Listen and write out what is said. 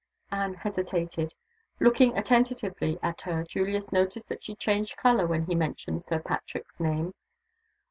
Anne hesitated. Looking attentively at her, Julius noticed that she changed color when he mentioned Sir Patrick's name.